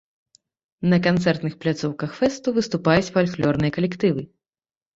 На канцэртных пляцоўках фэсту выступаюць фальклорныя калектывы.